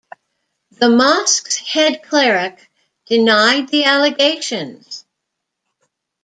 The mosque's head cleric denied the allegations.